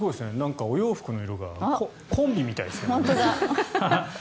お洋服の色がコンビみたいですね。